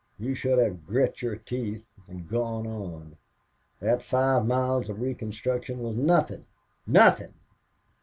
You should have grit your teeth and gone on. That five miles of reconstruction was nothing nothing."